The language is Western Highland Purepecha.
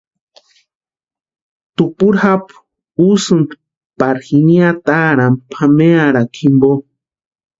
Tupuri japu úsïnti pari jini ataarhani pʼamearhakwa jimpo.